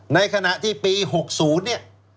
ในขณะที่ปี๖๐เนี่ย